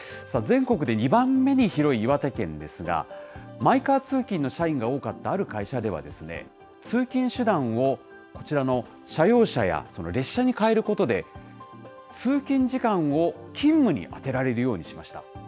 全国で２番目に広い岩手県ですが、マイカー通勤の社員が多かったある会社では、通勤手段をこちらの社用車や列車に替えることで、通勤時間を勤務に充てられるようにしました。